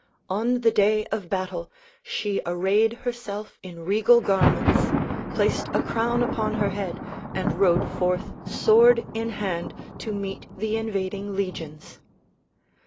On the day of battle she arrayed herself in regal garments, placed a crown upon her head and rode forth sword in hand to meet the invading legions.